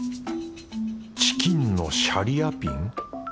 チキンのシャリアピン？